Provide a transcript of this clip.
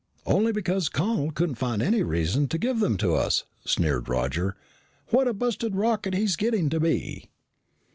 "Only because Connel couldn't find any reason to give them to us," sneered Roger. "What a busted rocket he's getting to be!"